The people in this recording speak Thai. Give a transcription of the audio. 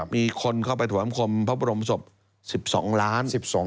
มีคนเข้าไปถวมคมพระบรมศพ๑๒ล้าน๑๒